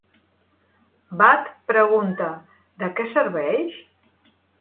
Bud pregunta "de què serveix?"